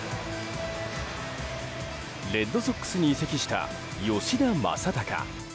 レッドソックスに移籍した吉田正尚。